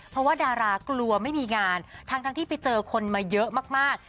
เพราะว่าดารากลัวไม่มีงานทั้งที่ไปเจอคนมาเยอะมาก